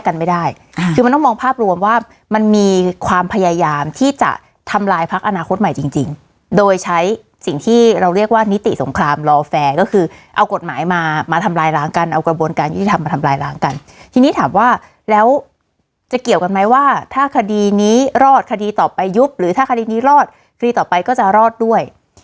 กดหมายมามาทำลายล้างกันเอากระบวนการยุทธิธรรมมาทำลายล้างกันทีนี้ถามว่าแล้วจะเกี่ยวกันไหมว่าถ้าคดีนี้รอดคดีต่อไปยุบหรือถ้าคดีนี้รอดคดีต่อไปก็จะรอดด้วย